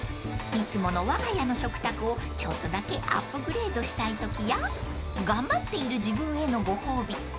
［いつものわが家の食卓をちょっとだけアップグレードしたいときや頑張っている自分へのご褒美